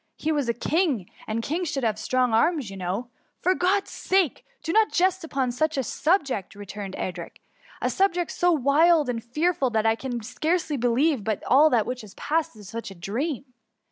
He was a king, and kings should^ have strong arms, you know.^ ^^ For God'^s sake I do not jest upon such a subject," returned Edric ;" a subject so wild and fearful, that I can still scarcely believe but that all which has passed was a dream.